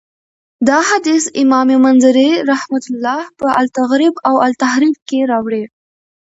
دا حديث امام منذري رحمه الله په الترغيب والترهيب کي راوړی .